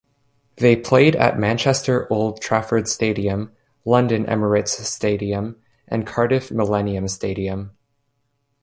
They played at Manchester Old Trafford Stadium, London Emirates Stadium and Cardiff Millennium Stadium.